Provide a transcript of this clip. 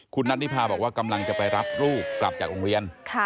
คุณนัทนิพาบอกว่ากำลังจะไปรับลูกกลับจากโรงเรียน